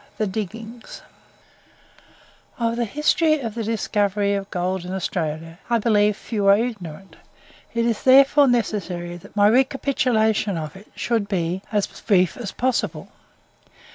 THE DIGGINGS Of the history of the discovery of gold in Australia I believe few are ignorant; it is therefore necessary that my recapitulation of it should be as brief as possible.